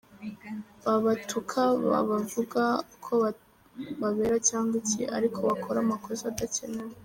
Babatuka babavuga ko babera cyangwa iki… ariko bakora amakosa adakenewe.